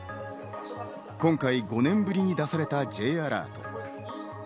今回５年ぶりに出されたＪアラート。